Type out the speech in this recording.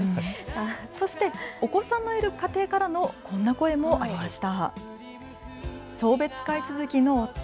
そしてお子さんのいる家庭からのこんな声もありました。